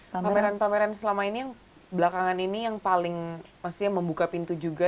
pameran pameran selama ini yang belakangan ini yang paling maksudnya membuka pintu juga